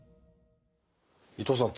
伊藤さん